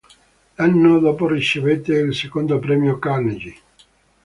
L'anno dopo ricevette il secondo premio Carnegie.